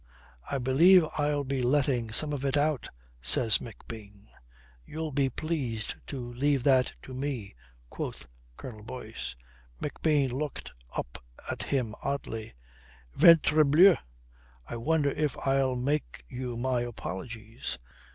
"I believe I'll be letting some of it out," says McBean. "You'll be pleased to leave that to me," quoth Colonel Boyce. McBean looked up at him oddly. "Ventrebleu, I wonder if I'll make you my apologies.